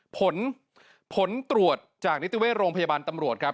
ผลผลตรวจจากนิติเวชโรงพยาบาลตำรวจครับ